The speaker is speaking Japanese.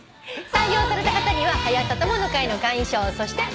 採用された方には「はや朝友の会」の会員証そして。